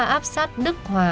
áp sát đức hòa